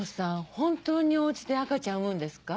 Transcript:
本当にお家で赤ちゃん産むんですか？